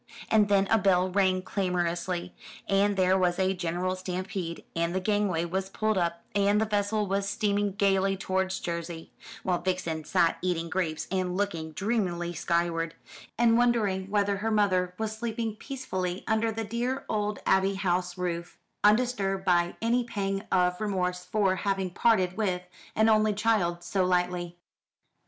And then a bell rang clamorously, and there was a general stampede, and the gangway was pulled up and the vessel was steaming gaily towards Jersey; while Vixen sat eating grapes and looking dreamily skyward, and wondering whether her mother was sleeping peacefully under the dear old Abbey House roof, undisturbed by any pang of remorse for having parted with an only child so lightly.